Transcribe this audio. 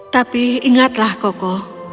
tapi ingatlah koko